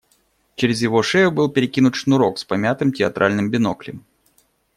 Через его шею был перекинут шнурок с помятым театральным биноклем.